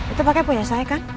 itu pakai punya saya kan